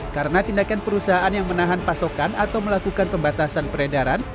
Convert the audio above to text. karena tindakan perusahaan yang menahan pasokan atau melakukan pembatasan peredaran